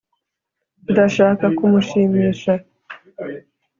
Ndashaka kumushimisha